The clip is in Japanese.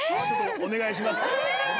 お願いします。